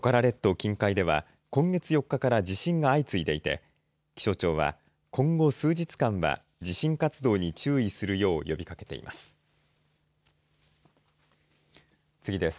近海では今月４日から地震が相次いでいて気象庁は今後数日間は地震活動に注意するよう呼びかけています。